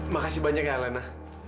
makasih banyak ya alena